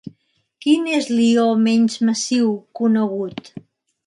Quin és l'ió menys massiu conegut?